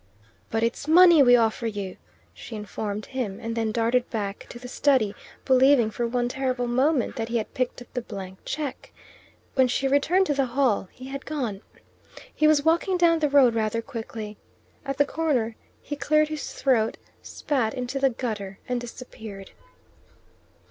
"But it's money we offer you," she informed him, and then darted back to the study, believing for one terrible moment that he had picked up the blank cheque. When she returned to the hall he had gone. He was walking down the road rather quickly. At the corner he cleared his throat, spat into the gutter, and disappeared.